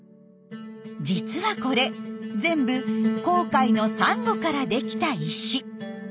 実はこれ全部紅海のサンゴから出来た石。